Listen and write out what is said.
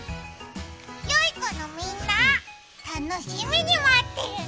良い子のみんな、楽しみに待ってるね。